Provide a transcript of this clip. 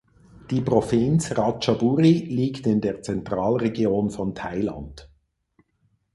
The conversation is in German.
Die Provinz Ratchaburi liegt in der Zentralregion von Thailand.